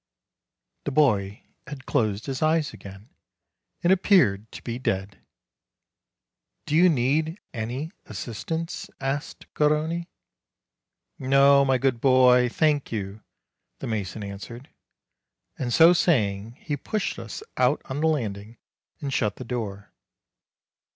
The boy had closed his eyes again, and appeared to be dead. "Do you need any assistance?" asked Garrone. "No, my good boy, thank you," the mason answered. And so saying, he pushed us out on the landing, and shut the door.